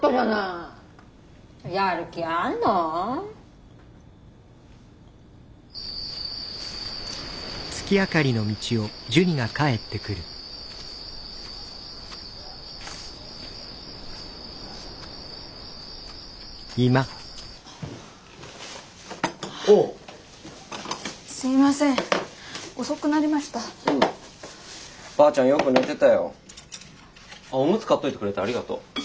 あっおむつ買っといてくれてありがとう。